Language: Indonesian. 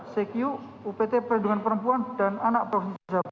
cq upt perhidungan perempuan dan anak provinsi jawa barat